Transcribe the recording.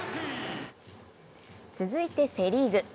続いてセ・リーグ。